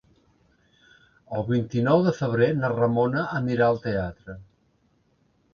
El vint-i-nou de febrer na Ramona anirà al teatre.